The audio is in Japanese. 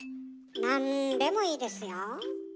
何でもいいですよ。